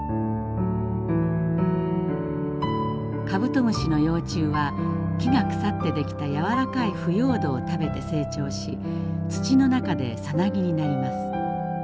カブトムシの幼虫は木が腐って出来た軟らかい腐葉土を食べて成長し土の中でさなぎになります。